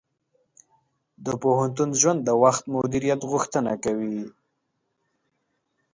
د پوهنتون ژوند د وخت مدیریت غوښتنه کوي.